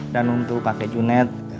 dan untuk pak kecunet